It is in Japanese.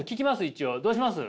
一応。どうします？